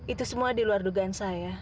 itu semua diluar dugaan saya